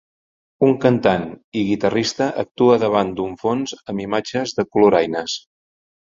Una cantant i guitarrista actua davant d'un fons amb imatges de coloraines.